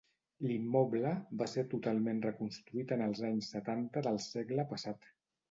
L'immoble va ser totalment reconstruït en els anys setanta del segle passat.